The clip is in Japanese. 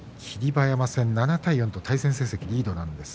馬山戦７対４と対戦成績リードです。